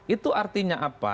itu artinya apa